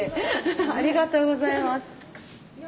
ありがとうございます。